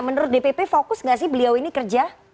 menurut dpp fokus gak sih beliau ini kerja